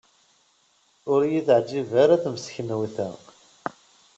Ur iyi-teɛjib ara temseknewt-a.